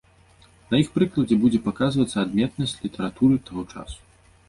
На іх прыкладзе будзе паказвацца адметнасць літаратуры таго часу.